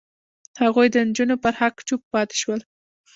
هغوی د نجونو پر حق چوپ پاتې شول.